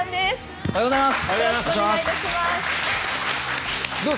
おはようございます。